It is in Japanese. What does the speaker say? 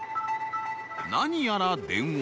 ［何やら電話］